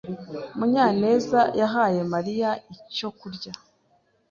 Munyaneza yahaye Mariya icyo kurya.